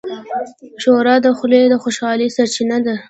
ښوروا د خولې د خوشحالۍ سرچینه ده.